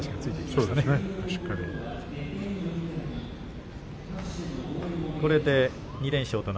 しっかりとね。